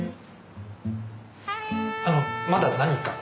あのまだ何か？